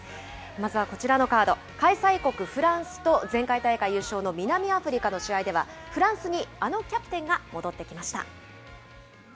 まずはこちらのカード、開催国フランスと前回大会優勝の南アフリカの試合では、フランスにあのキャプテンが戻ってきました。